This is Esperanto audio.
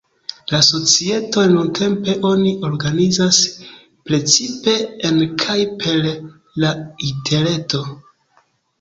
La societon nuntempe oni organizas precipe en kaj per la interreto.